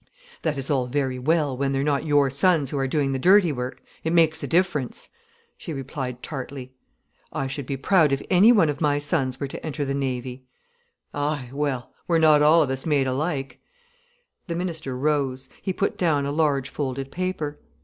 "That is very well, when they're not your sons who are doing the dirty work. It makes a difference," she replied tartly. "I should be proud if one of my sons were to enter the Navy." "Ay—well—we're not all of us made alike——" The minister rose. He put down a large folded paper.